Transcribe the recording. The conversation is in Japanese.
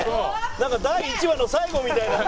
なんか第１話の最後みたいな。